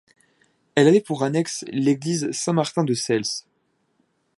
Elle avait pour annexe l'église Saint-Martin de Cels.